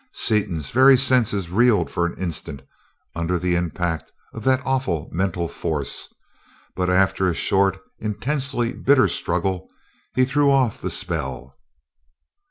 Seaton's very senses reeled for an instant under the impact of that awful mental force; but after a short, intensely bitter struggle he threw off the spell.